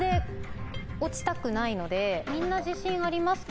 みんな自信ありますか？